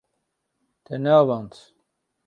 Te neavand.